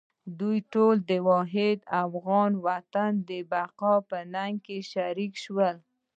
دوی ټول د واحد افغان وطن د بقا په ننګ کې شریک شول.